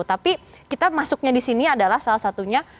tapi kita masuknya di sini adalah salah satunya